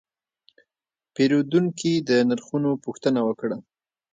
پیرودونکی د نرخونو پوښتنه وکړه.